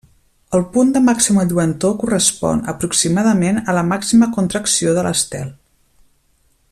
El punt de màxima lluentor correspon aproximadament a la màxima contracció de l'estel.